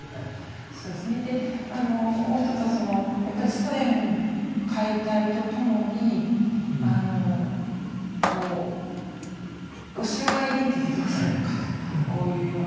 そうですねもう一つはやっぱりソ連解体と共にロシアアイデンティティーどうするのかというような問題になりました。